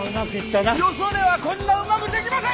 よそではこんなうまくできません！